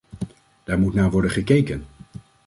Daar moet naar worden gekeken.